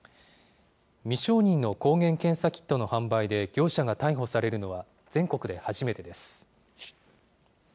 未承認の抗原検査キットの販売で業者が逮捕されるのは、全国で初めてです。